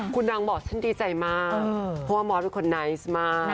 คุณนางบอกฉันดีใจมากเพราะว่ามอสเป็นคนไนท์มาก